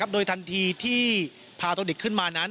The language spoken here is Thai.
โดยทันทีที่พาตัวเด็กขึ้นมานั้น